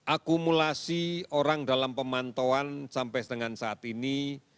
akumulasi orang dalam pemantauan sampai dengan saat ini